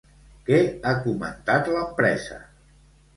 Què ha comentat l'empresa?